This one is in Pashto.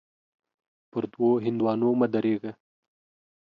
پر دوو هندوانو مه درېږه.